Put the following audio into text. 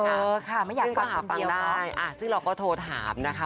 เออค่ะไม่อยากฟังคนเดียวค่ะซึ่งเขาหาฟังได้อ่าซึ่งเราก็โทรถามนะคะ